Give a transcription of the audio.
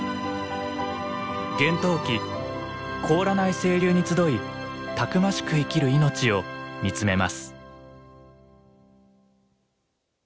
厳冬期凍らない清流に集いたくましく生きる命を見つめます。